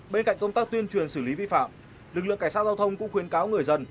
bên cạnh công tác tuyên truyền xử lý vi phạm lực lượng cảnh sát giao thông cũng khuyến cáo người dân